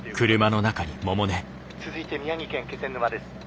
「続いて宮城県気仙沼です。